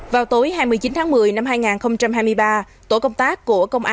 vào tối hai mươi chín tháng một mươi năm hai nghìn hai mươi ba